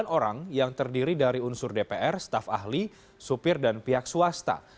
sembilan orang yang terdiri dari unsur dpr staf ahli supir dan pihak swasta